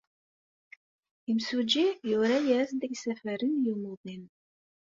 Imsujji yura-as-d isafaren i umuḍin.